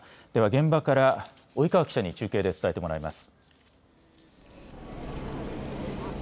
現場から及川記者に中継で伝えてもらいます。